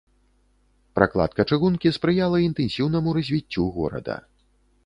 Пракладка чыгункі спрыяла інтэнсіўнаму развіццю горада.